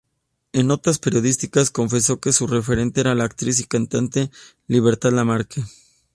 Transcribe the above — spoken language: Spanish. En notas periodísticas confesó que su referente era la actriz y cantante Libertad Lamarque.